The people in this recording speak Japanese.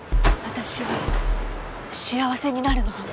私は幸せになるの。